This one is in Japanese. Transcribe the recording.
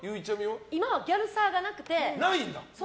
今はギャルサーがなくて。